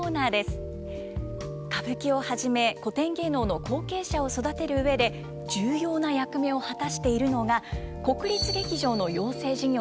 歌舞伎をはじめ古典芸能の後継者を育てる上で重要な役目を果たしているのが国立劇場の養成事業です。